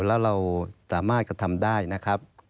แล้วเราสามารถกระทำได้นะครับ